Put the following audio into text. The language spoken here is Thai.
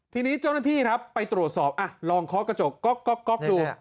ทีนี้เจ้าหน้าที่ครับไปตรวจสอบลองเคาะกระจกก๊อกดู